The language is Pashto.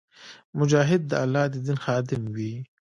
مجاهد د الله د دین خادم وي.